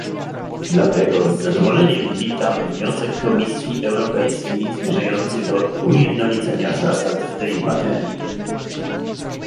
Dlatego z zadowoleniem witam wniosek Komisji Europejskiej zmierzający do ujednolicania zasad w tej materii